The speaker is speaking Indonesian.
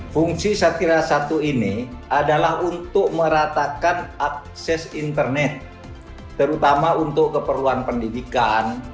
fungsi satria satu ini adalah untuk meratakan akses internet terutama untuk keperluan pendidikan